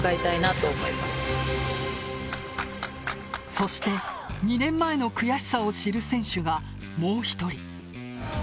そして、２年前の悔しさを知る選手がもう１人。